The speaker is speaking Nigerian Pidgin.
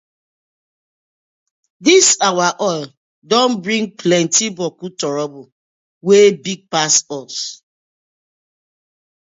Dis our oil don bring plenti boku toruble wey big pass us.